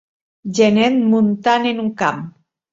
Genet muntant en un camp.